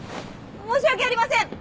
申し訳ありません！